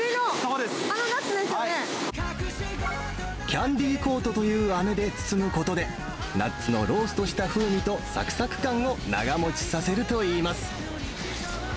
キャンディーコートというあめで包むことで、ナッツのローストした風味とさくさく感を長持ちさせるといいます。